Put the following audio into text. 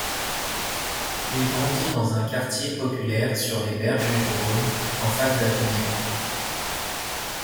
Il grandit dans un quartier populaire sur les berges du Rhône, en face d'Avignon.